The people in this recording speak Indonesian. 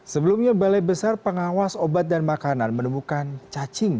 sebelumnya balai besar pengawas obat dan makanan menemukan cacing